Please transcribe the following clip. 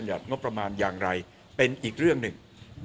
งบประมาณอย่างไรเป็นอีกเรื่องหนึ่ง